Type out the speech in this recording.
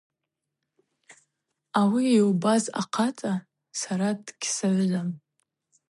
Ауи йубаз ахъацӏа сара дыгьсыгӏвзам.